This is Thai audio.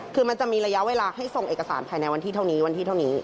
คือมันจะมีระยะเวลาให้ส่งเอกสารภายในวันที่เท่านี้วันที่เท่านี้